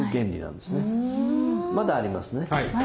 まだありますね。